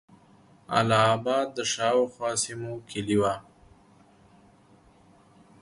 اله آباد د شاوخوا سیمو کیلي وه.